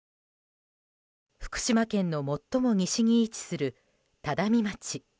福島県の最も西に位置する只見町。